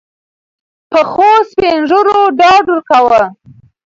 پخوسپین ږیرو ډاډ ورکاوه.